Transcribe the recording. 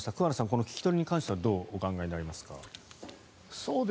この聞き取りに関してはどうお考えになりますか？